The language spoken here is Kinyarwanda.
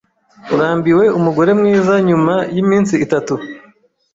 Urambiwe umugore mwiza nyuma yiminsi itatu.